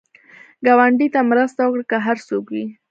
ګاونډي ته مرسته وکړه، که هر څوک وي